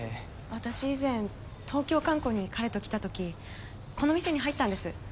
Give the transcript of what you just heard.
私以前東京観光に彼と来たときこの店に入ったんです。